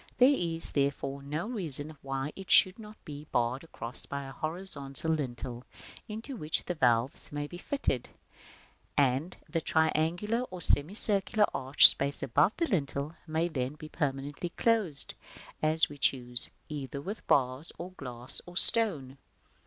There is, therefore, no reason why it should not be barred across by a horizontal lintel, into which the valves may be fitted, and the triangular or semicircular arched space above the lintel may then be permanently closed, as we choose, either with bars, or glass, or stone.